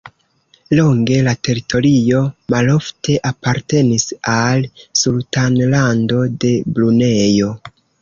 Longe la teritorio malforte apartenis al Sultanlando de Brunejo.